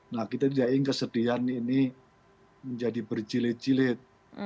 nah kita jadi kesedihan ini menjadi berjilid jilid